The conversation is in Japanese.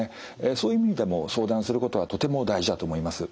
そういう意味でも相談することはとても大事だと思います。